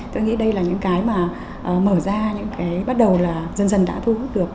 tôi nghĩ đây là những cái mà mở ra những cái bắt đầu là dần dần đã thu hút được